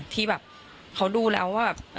ที่แบบเขาดูแล้วว่าแบบ